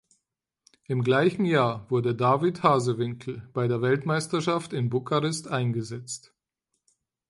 Im gleichen Jahr wurde David Hazewinkel bei der Weltmeisterschaft in Bukarest eingesetzt.